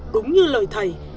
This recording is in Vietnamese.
đúng như lời thầy